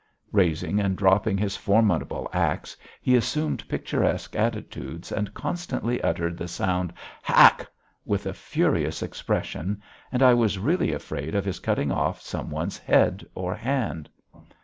Raising and dropping his formidable axe, he assumed picturesque attitudes and constantly uttered the sound "Hak!" with a furious expression, and I was really afraid of his cutting off some one's head or hand.